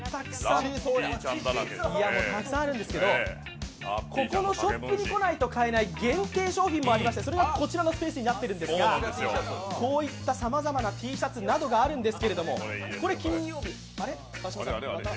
たくさんあるんですけど、ここのショップに来ないと買えない限定商品もありまして、それがこちらのスペースになっているんですがこういったさまざまなＴシャツなどがあるんですけども、これが金曜日あれ？